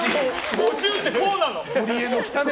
５０ってこうなの！